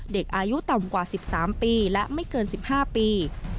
เด็กอายุต่ำกว่า๑๓ปีและไม่เกิน๑๕ปี